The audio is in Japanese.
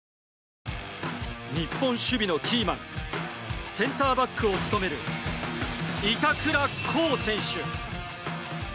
日本守備のキーマンセンターバックを務める板倉滉選手。